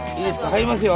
入りますよ